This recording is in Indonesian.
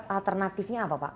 alternatifnya apa pak